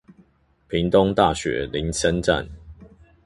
屏東大學林森站